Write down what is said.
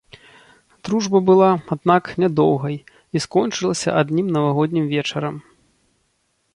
Дружба была, аднак, нядоўгай і скончылася адным навагоднім вечарам.